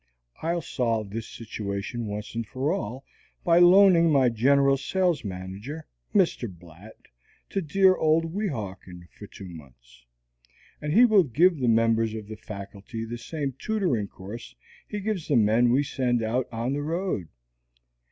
I'll solve this situation once for all by loaning my general sales manager, Mr. Blat, to dear old Weehawken for two months, and he will give the members of the Faculty the same tutoring course he gives the men we send out on the road.